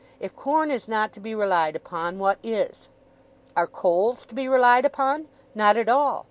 If corn is not to be relied upon, what is? Are coals to be relied upon? Not at all.